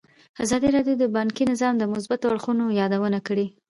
ازادي راډیو د بانکي نظام د مثبتو اړخونو یادونه کړې.